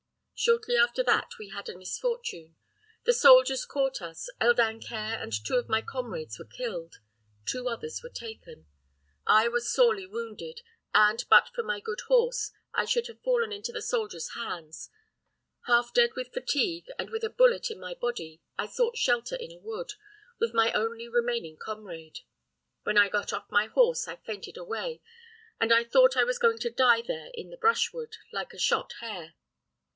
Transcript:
Shortly after that we had a misfortune: the soldiers caught us, El Dancaire and two of my comrades were killed; two others were taken. I was sorely wounded, and, but for my good horse, I should have fallen into the soldiers' hands. Half dead with fatigue, and with a bullet in my body, I sought shelter in a wood, with my only remaining comrade. When I got off my horse I fainted away, and I thought I was going to die there in the brushwood, like a shot hare.